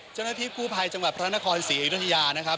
เจ้าหน้าที่กู้ภัยจังหวัดพระนครศรีอยุธยานะครับ